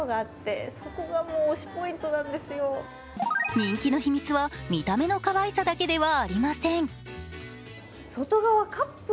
人気の秘密は見た目のかわいさだけではありません。